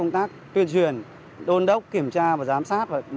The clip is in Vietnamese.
công tác tuyên truyền đôn đốc kiểm tra và giám sát